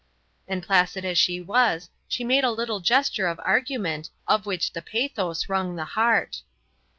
And placid as she was, she made a little gesture of argument, of which the pathos wrung the heart.